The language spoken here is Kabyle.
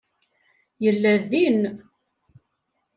Yella din.